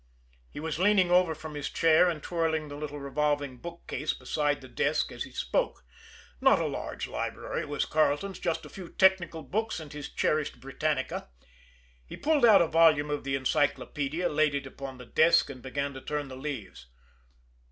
He was leaning over from his chair and twirling the little revolving bookcase beside the desk, as he spoke not a large library was Carleton's, just a few technical books, and his cherished Britannica. He pulled out a volume of the encyclopedia, laid it upon his desk, and began to turn the leaves.